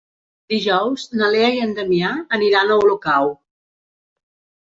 Dijous na Lea i en Damià aniran a Olocau.